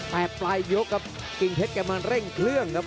แต่ปลายยกครับกิ่งเพชรกำลังเร่งเครื่องนะ